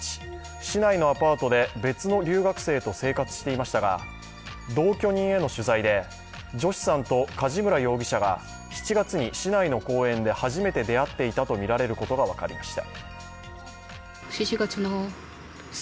市内のアパートで別の留学生と生活していましたが同居人への取材で、ジョシさんと梶村容疑者が７月に市内の公園で初めて出会っていたとみられることが分かりました。